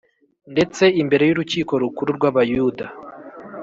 Ndetse imbere y’Urukiko Rukuru rw’Abayuda